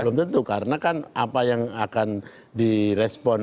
belum tentu karena kan apa yang akan direspon